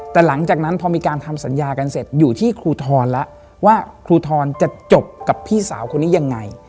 แต่หลังจากนั้นพอมีการทำสัญญากันเสร็จอยู่ที่ครูทรแล้วว่าครูทรจะจบกับพี่สาวคนนี้ยังไง